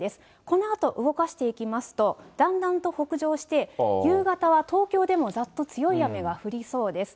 このあと動かしていきますと、だんだんと北上して、夕方は東京でもざっと強い雨が降りそうです。